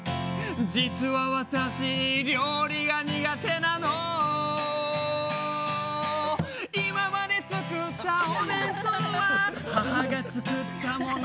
「実は私料理が苦手なの」「今まで作ったお弁当は母が作ったもの」